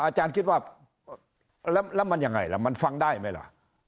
อาจารย์คิดว่าแล้วมันยังไงล่ะมันฟังได้ไหมล่ะ